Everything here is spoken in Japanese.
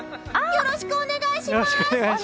よろしくお願いします！